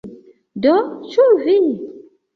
Do, ĉu vi?